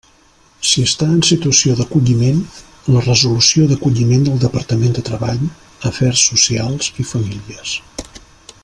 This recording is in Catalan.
Si està en situació d'acolliment, la resolució d'acolliment del Departament de Treball, Afers Socials i Famílies.